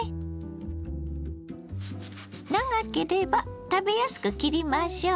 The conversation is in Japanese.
長ければ食べやすく切りましょう。